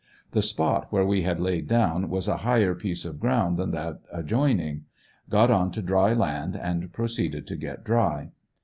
The spot where we had laid down was a higher piece of ground than that adjoining. Got on to dry land and proceeded to get dry.